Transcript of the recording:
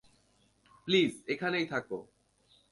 Please, এখানেই থাকো।